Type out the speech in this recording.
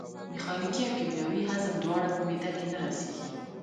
میخانیکي او کیمیاوي هضم دواړه په معدې کې نه رسېږي.